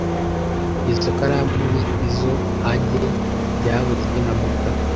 Izoi karamu ni izoanjye byavuzwe na mugabe